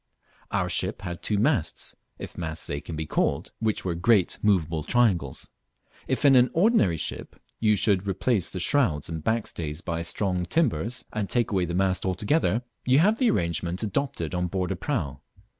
Our ship had two masts, if masts they can be called c which were great moveable triangles. If in an ordinary ship you replace the shrouds and backstay by strong timbers, and take away the mast altogether, you have the arrangement adopted on board a prau.